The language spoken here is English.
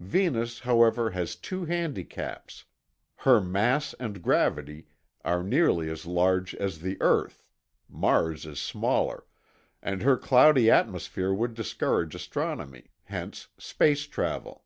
Venus, however, has two handicaps. Her mass and gravity are nearly as large as the Earth (Mars is smaller) and her cloudy atmosphere would discourage astronomy, hence space travel.